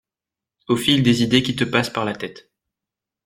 Au fil des idées qui te passent par la tête.